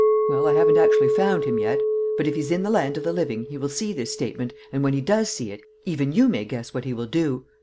Well, I haven't actually found him yet; but if he's in the land of the living he will see this statement, and when he does see it even you may guess what he will do!